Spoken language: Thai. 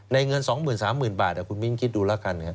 ในเงิน๒๐๐๐๐๓๐๐๐๐บาทคุณปิ๊นคิดดูแล้วกัน